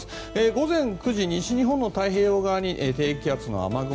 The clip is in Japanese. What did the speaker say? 午前９時、西日本の太平洋側に低気圧の雨雲。